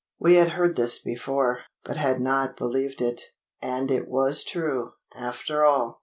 We had heard this before, but had not believed it. And it was true, after all!